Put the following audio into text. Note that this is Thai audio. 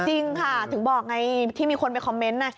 จริงค่ะถึงบอกไงที่มีคนไปคอมเมนต์นะ